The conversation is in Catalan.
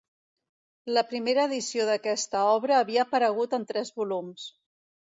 La primera edició d'aquesta obra havia aparegut en tres volums.